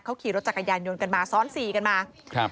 เขาขี่รถจักรยานยนต์กันมาซ้อนสี่กันมาครับ